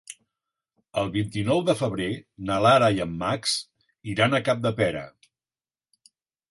El vint-i-nou de febrer na Lara i en Max iran a Capdepera.